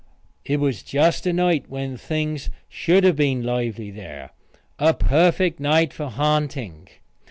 It was just a night when things should have been lively there a perfect night for ha'nting.